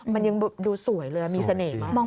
มันยังดูสวยเลยมีเสน่หมาก